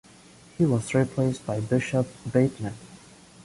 He was replaced by Bishop Batemen.